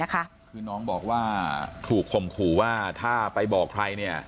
คือน้องบอกว่าถูกข่มขู่ว่าถ้าไปบอกใคร